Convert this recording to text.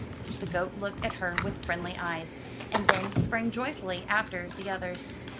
The goat looked at her with friendly eyes, and then sprang joyfully after the others.